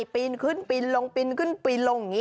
ปีนขึ้นปีนขึ้นปีนลง